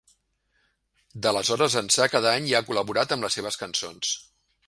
D'aleshores ençà cada any hi ha col·laborat amb les seves cançons.